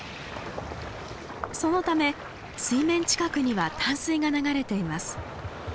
そのため水面近くには淡水が流れています。